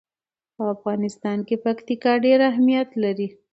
په افغانستان کې پکتیکا ډېر اهمیت لري.